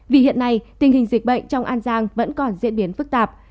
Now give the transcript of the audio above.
vì hiện nay tình hình dịch bệnh trong an giang vẫn còn diễn biến phức tạp